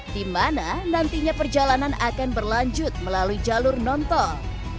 dimana nantinya perjalanan akan berlanjut melalui jalur non tol